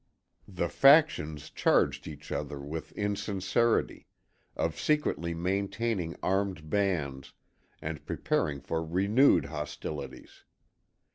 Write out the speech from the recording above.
The factions charged each other with insincerity, of secretly maintaining armed bands and preparing for renewed hostilities.